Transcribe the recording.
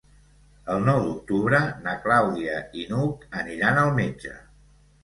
El nou d'octubre na Clàudia i n'Hug aniran al metge.